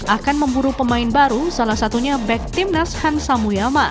akan memburu pemain baru salah satunya back tim nas hansamuyama